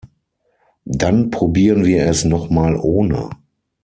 Dann probieren wir es noch mal ohne.